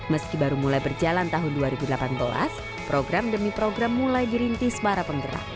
meski baru mulai berjalan tahun dua ribu delapan belas program demi program mulai dirintis para penggerak